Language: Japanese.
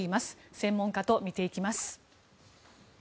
専門家と見ていきます。